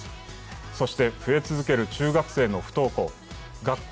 そして増え続ける中学生の不登校。